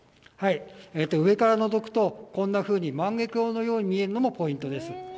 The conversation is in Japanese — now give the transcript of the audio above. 上からのぞくとこんなふうに万華鏡のように見えるのもポイントです。